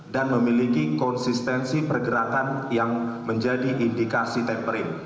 dan memiliki konsistensi pergerakan yang menjadi indikasi tempering